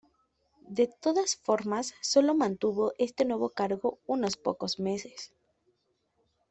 De todas formas sólo mantuvo este nuevo cargo unos pocos meses.